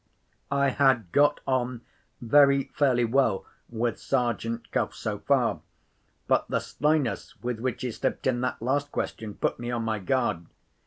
I had got on very fairly well with Sergeant Cuff so far. But the slyness with which he slipped in that last question put me on my guard.